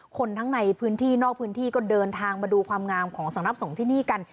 คนทั้งในพื้นที่นอกพื้นที่ก็เดินทางมาดูความงามของสำนักสงฆ์ที่นี่กัน